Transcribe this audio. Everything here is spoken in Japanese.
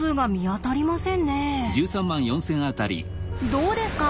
どうですか？